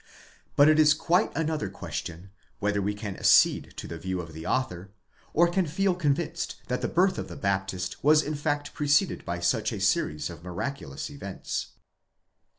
But it is quite another question, whether we can accede to the view of the author, or can feel convinced that the birth of the Baptist was in fact preceded by such a series of miraculous events.